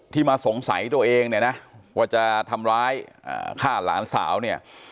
มาสงสัยตัวเองเนี่ยนะว่าจะทำร้ายฆ่าหลานสาวเนี่ย